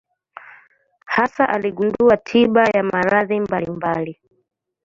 Hasa aligundua tiba ya maradhi mbalimbali.